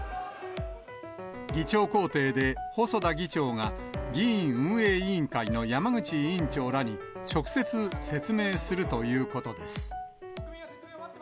議長公邸で細田議長が議院運営委員会の山口委員長らに直接説明するということです。